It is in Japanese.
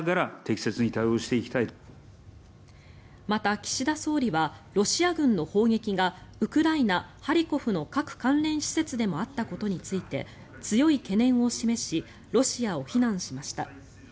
また岸田総理はロシア軍の砲撃がウクライナ・ハリコフの核関連施設でもあったことについて強い懸念を示しロシアを非難しました。